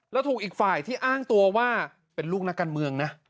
แล้วถูกอีกฝ่ายที่อ้างตัวว่าเป็นลูกนักการเมืองนะ